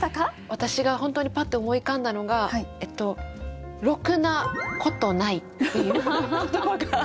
私が本当にパッと思い浮かんだのが「ろくなことない」っていう言葉が。